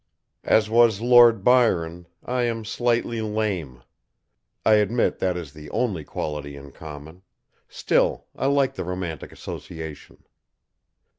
As was Lord Byron, I am slightly lame. I admit that is the only quality in common; still, I like the romantic association.